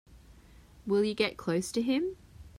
Will you get close to him?